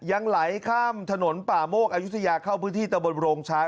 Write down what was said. ยังไหลข้ามถนนป่าโมกอายุทยาเข้าพื้นที่ตะบนโรงช้าง